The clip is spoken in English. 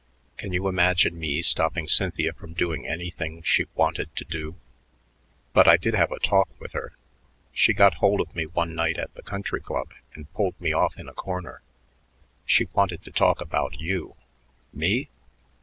Can you imagine me stopping Cynthia from doing anything she wanted to do? But I did have a talk with her. She got hold of me one night at the country club and pulled me off in a corner. She wanted to talk about you." "Me?"